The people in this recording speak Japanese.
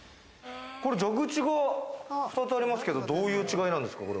蛇口が２つありますけど、どういう違いなんですか？